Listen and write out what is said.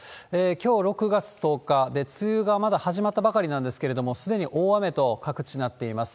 きょう６月１０日で、梅雨がまだ始まったばかりなんですけれども、すでに大雨と、各地なっています。